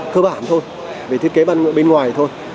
cơ bản thôi về thiết kế bên ngoài thôi